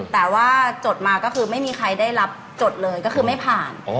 แต่ว่าจดมาก็คือไม่มีใครได้รับจดเลยก็คือไม่ผ่าน